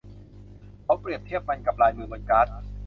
เขาเปรียบเทียบมันกับลายมือบนการ์ด